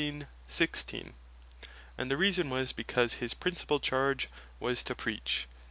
and the reason was, because his principall Charge was to Preach.